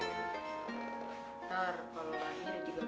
ntar kalau lahir juga biasa